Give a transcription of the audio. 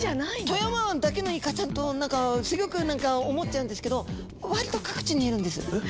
富山湾だけのイカちゃんと何かすギョく思っちゃうんですけどわりと各地にいるんです。